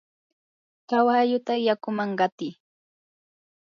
kawalluta yakuman qatiy.